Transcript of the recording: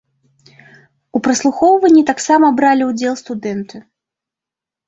У праслухоўванні таксама бралі ўдзел студэнты.